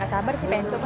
gak sabar sih pengen coba